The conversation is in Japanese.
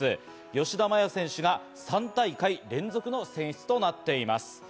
吉田麻也選手が３大会連続の選出となっています。